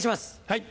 はい。